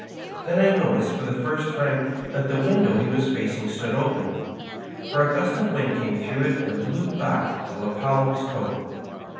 Then I noticed for the first time that the window he was facing stood open, for a gust of wind came through it and blew back the lappel of his coat.